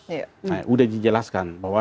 sudah dijelaskan bahwa